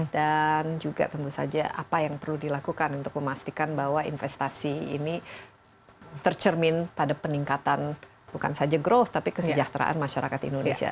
dan juga tentu saja apa yang perlu dilakukan untuk memastikan bahwa investasi ini tercermin pada peningkatan bukan saja growth tapi kesejahteraan masyarakat indonesia